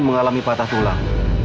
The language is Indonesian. mengalami patah tulang